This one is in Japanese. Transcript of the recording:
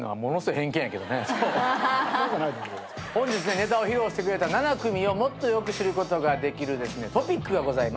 本日ネタを披露してくれた７組をもっとよく知ることができるトピックがございます。